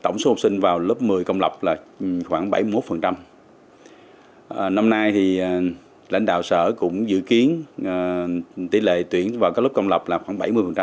năm nay thì lãnh đạo sở cũng dự kiến tỷ lệ tuyển vào các lớp công lập là khoảng bảy mươi